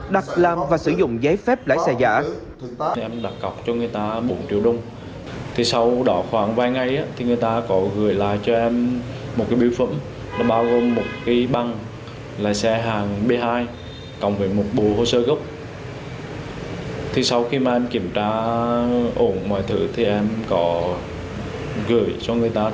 đặt làm và sử dụng giấy phép lái xe giả